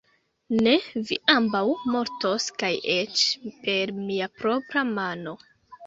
Ne! vi ambaŭ mortos kaj eĉ per mia propra mano.